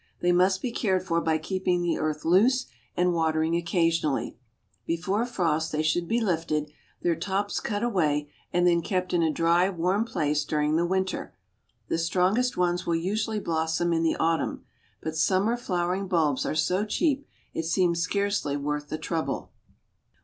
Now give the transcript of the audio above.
They must be cared for by keeping the earth loose and watering occasionally. Before frost they should be lifted, their tops cut away, and then kept in a dry, warm place during the winter. The strongest ones will usually blossom in the autumn. But summer flowering bulbs are so cheap it seems scarcely worth the trouble.